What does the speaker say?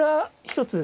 一つ